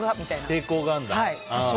抵抗があるんだ。